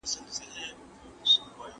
آيا د سياست په لوستنه کي موخه ورکېدای سي؟